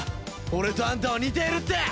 俺とあんたは似ているって。